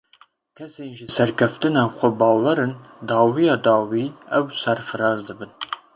Kesên ji serkeftina xwe bawer in, dawiya dawî ew serfiraz dibin.